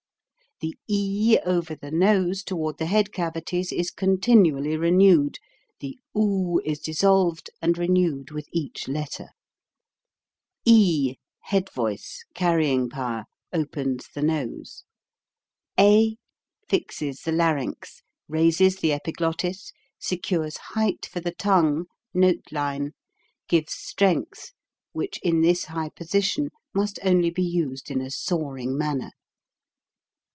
The e over the nose toward the head cavities is continually renewed, the 66 is dissolved and re newed with each letter. PRONUNCIATION. CONSONANTS 299 e head voice carrying power opens the nose, a fixes the larynx, raises the epiglottis, secures height for the tongue, note line, gives strength (which in this high position must only be used hi a soaring manner).